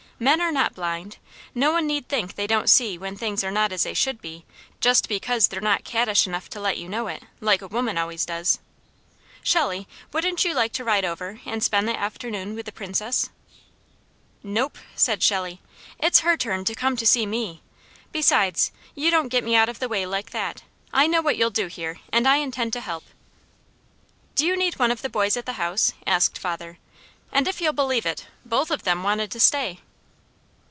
"Men are not blind. No one need think they don't see when things are not as they should be, just because they're not cattish enough to let you know it, like a woman always does. Shelley, wouldn't you like to ride over and spend the afternoon with the Princess?" "Nope!" said Shelley. "It's her turn to come to see me. Besides, you don't get me out of the way like that. I know what you'll do here, and I intend to help." "Do you need one of the boys at the house?" asked father, and if you'll believe it, both of them wanted to stay.